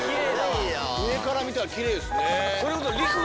上から見たらキレイですね。